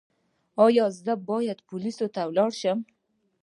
ایا زه باید پولیسو ته لاړ شم؟